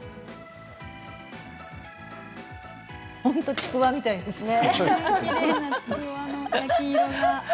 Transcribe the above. ちくわみたいですね。